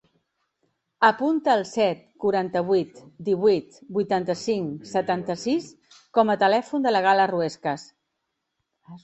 Apunta el set, quaranta-vuit, divuit, vuitanta-cinc, setanta-sis com a telèfon de la Gala Ruescas.